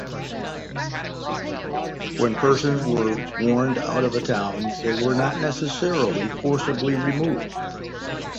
When persons were warned out of a town, they were not necessarily forcibly removed.